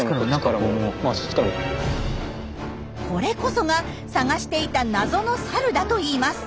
これこそが探していた謎のサルだといいます。